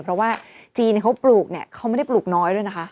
เพราะว่าจีนเขาปลูกเนี่ยเขาไม่ได้ปลูกน้อยด้วยนะคะ